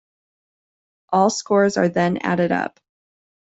All scores are then added up.